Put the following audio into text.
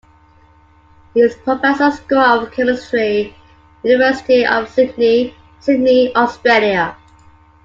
He is Professor, School of Chemistry, University of Sydney, Sydney, Australia.